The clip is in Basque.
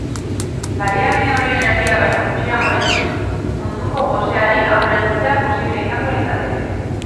Baliabide horien erdia baino gutxiagorekin, munduko goseari aurre egitea posible izango litzateke.